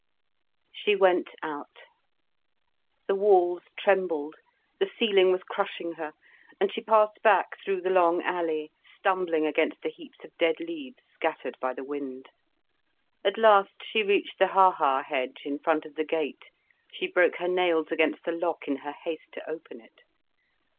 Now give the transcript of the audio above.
She went out. The walls trembled, the ceiling was crushing her, and she passed back through the long alley, stumbling against the heaps of dead leaves scattered by the wind. At last she reached the ha ha hedge in front of the gate; she broke her nails against the lock in her haste to open it.